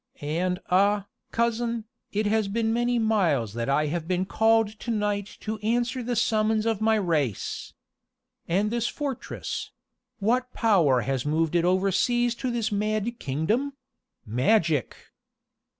And ah, cousin, it has been many miles that I have been called to night to answer the summons of my race. And this fortress what power has moved it overseas to this mad kingdom? Magic!"